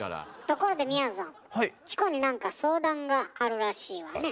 ところでみやぞんチコになんか相談があるらしいわね。